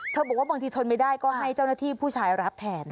บอกว่าบางทีทนไม่ได้ก็ให้เจ้าหน้าที่ผู้ชายรับแทน